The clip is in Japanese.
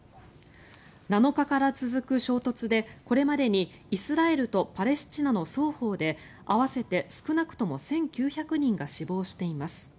７日から続く衝突でこれまでにイスラエルとパレスチナの双方で合わせて少なくとも１９００人が死亡しています。